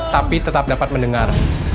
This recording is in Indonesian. tapi tetap dapat mendengar